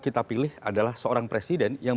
kita pilih adalah seorang presiden yang